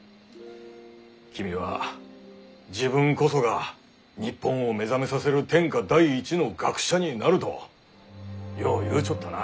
君は「自分こそが日本を目覚めさせる天下第一の学者になる」とよう言うちょったな。